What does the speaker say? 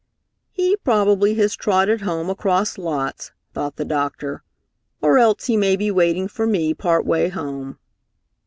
"He probably has trotted home across lots," thought the doctor, "or else he may be waiting for me part way home."